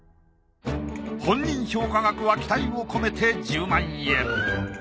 本人評価額は期待を込めて１０万円。